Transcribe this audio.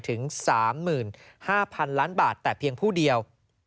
ถึง๓๕๐๐๐ล้านบาทแต่เพียงผู้เดียว